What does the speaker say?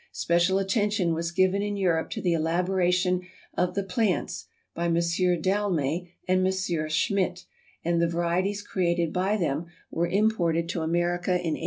Special attention was given in Europe to the elaboration of the plants by M. Dalmais and M. Schmitt, and the varieties created by them were imported to America in 1868.